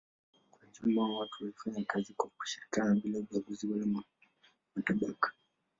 Kwa jumla watu walifanya kazi kwa kushirikiana bila ubaguzi wala matabaka.